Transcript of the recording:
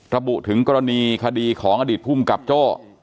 ระบุถึงกรณีคดีของอดีตภูมิกับโจ้